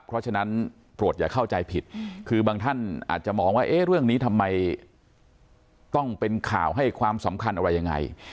เพราะฉะนั้นโปรดอย่าเข้าใจผิดคือบางท่านอาจจะมองว่าเอ๊ะเรื่องนี้ทำไมต้องเป็นข่าวให้ความสำคัญอะไรยังไง